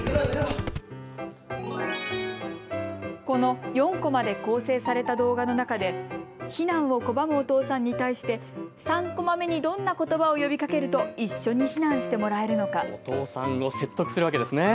この４コマで構成された動画の中で避難を拒むお父さんに対して３コマ目にどんなことばを呼びかけると一緒に避難してもらえるのか。